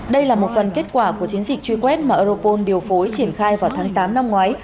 đây là một phần kết quả của chiến dịch truy quét mà europol điều phối triển khai vào tháng tám năm ngoái